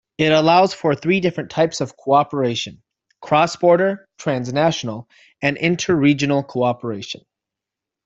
It allows for three different types of cooperation: cross-border, transnational and interregional cooperation.